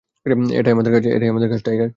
এটাই আমাদের কাজ, টাইগার!